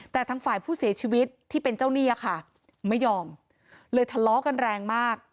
แต่ทางฝ่ายผู้เสียชีวิตที่เป็นเจ้าหนี้ค่ะไม่ยอมเลยทะเลาะกันแรงมาก